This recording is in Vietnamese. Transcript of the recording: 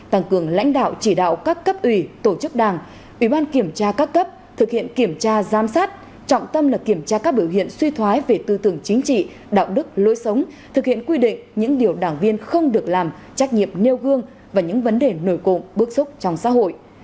tăng cường lãnh đạo chỉ đạo các cấp ủy tổ chức đảng ủy ban kiểm tra các cấp thực hiện kiểm tra giám sát trọng tâm là kiểm tra các biểu hiện suy thoái về tư tưởng chính trị đạo đức lối sống thực hiện quy định những điều đảng viên không được làm trách nhiệm nêu gương và những vấn đề nổi cộng bước xúc trong xã hội